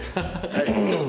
はい。